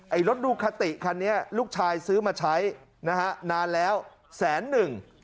รถดูคาติคันนี้ลูกชายซื้อมาใช้นะฮะนานแล้วแสนหนึ่ง